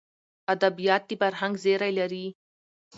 ادبیات د فرهنګ زېری لري.